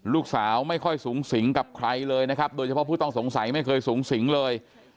ลูกสาวไม่ค่อยสูงสิงกับใครเลยนะครับโดยเฉพาะผู้ต้องสงสัยไม่เคยสูงสิงเลย